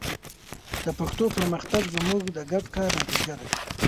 د پښتو پرمختګ زموږ د ګډ کار نتیجه ده.